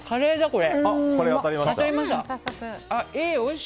これ。